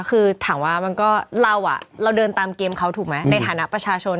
คือถามว่ามันก็เราเดินตามเกมเขาถูกไหมในฐานะประชาชน